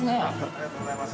◆ありがとうございます。